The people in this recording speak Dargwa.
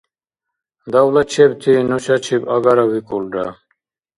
— Давлачебти нушачиб агара, — викӀулра.